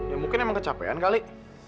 ya mungkin emang kecapean kali